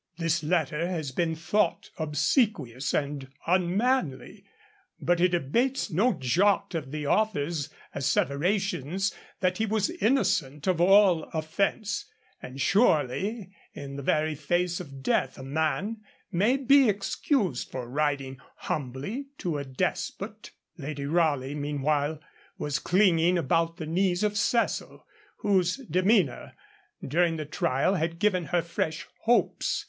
This letter has been thought obsequious and unmanly; but it abates no jot of the author's asseverations that he was innocent of all offence, and, surely, in the very face of death a man may be excused for writing humbly to a despot. Lady Raleigh, meanwhile, was clinging about the knees of Cecil, whose demeanour during the trial had given her fresh hopes.